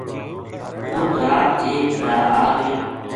اُت رات ایک بلا آ گئی